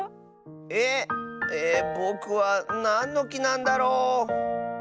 えっ？えぼくはなんのきなんだろう。